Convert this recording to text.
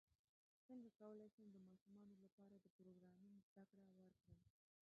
څنګه کولی شم د ماشومانو لپاره د پروګرامینګ زدکړه ورکړم